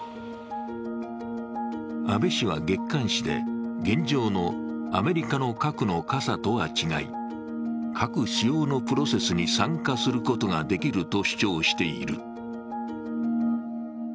安倍氏は、月刊誌で現状のアメリカの核の傘とは違い核使用のプロセスに参加することができると主張している。